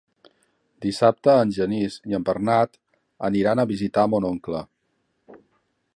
Dissabte en Genís i en Bernat aniran a visitar mon oncle.